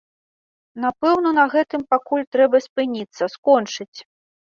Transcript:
Напэўна, на гэтым пакуль трэба спыніцца, скончыць.